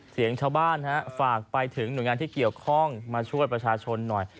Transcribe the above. เสียงชาวบ้านฝากไปถึงหน่วยงานที่เกี่ยวข้องมาช่วยประชาชนหน่อย